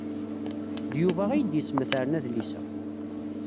D Yuba ay d-yesmetren adlis-a.